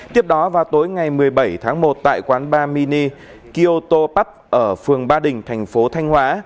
tiếp đó vào tối ngày một mươi bảy tháng một tại quán bar mini kyoto pub ở phường ba đình thành phố thanh hóa